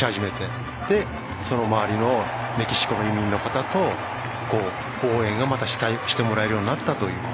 それで、その周りのメキシコの移民の方と応援をしてもらえるようになったと。